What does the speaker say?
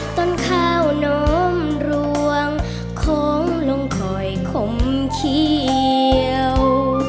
ต้นข้าวนมร่วงคงลงคอยขมเขี้ยว